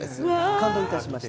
感動いたしました。